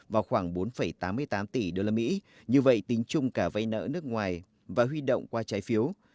vào khoảng bốn tám mươi tám tỷ usd như vậy tính chung cả vay nợ nước ngoài và huy động qua trái phiếu